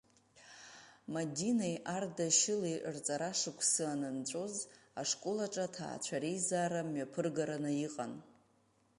Мадинеи Ардашьыли рҵара шықәсы анынҵәоз, ашкол аҿы аҭаацәа реизара мҩаԥыргараны иҟан.